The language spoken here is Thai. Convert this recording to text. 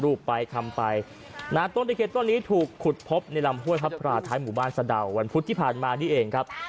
รูปไปคำไปนะต้นตะเคียนต้นนี้ถูกขุดพบในลำห้วยพระพราท้ายหมู่บ้านสะดาววันพุธที่ผ่านมานี่เองครับ